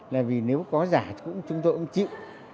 là vì nếu có giả chúng tôi cũng chịu